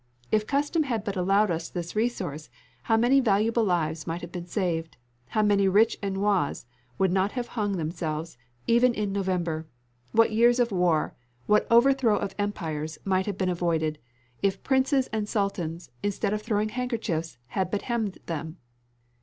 If custom had but allowed us this resource, how many valuable lives might have been saved, how many rich ennuyés would not have hung themselves, even in November! What years of war, what overthrow of empires, might have been avoided, if princes and sultans, instead of throwing handkerchiefs, had but hemmed them!"